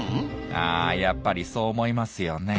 あやっぱりそう思いますよねえ。